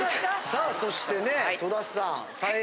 さあそしてね戸田さん三英傑